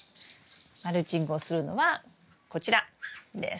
マルチングをするのはこちらです。